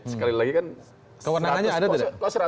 sekali lagi kan kewenangannya ada tidak